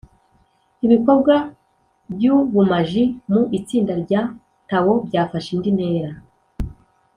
ibikorwa by’ubumaji mu itsinda rya tao byafashe indi ntera.